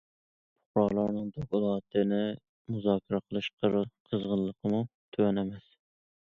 پۇقرالارنىڭ دوكلاتنى مۇزاكىرە قىلىش قىزغىنلىقىمۇ تۆۋەن ئەمەس.